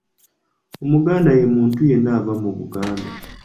Omuganda ye muntu yenna ava mu Buganda.